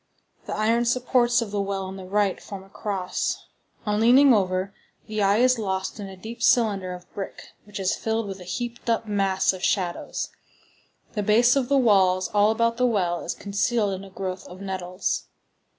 The iron supports of the well on the right form a cross. On leaning over, the eye is lost in a deep cylinder of brick which is filled with a heaped up mass of shadows. The base of the walls all about the well is concealed in a growth of nettles.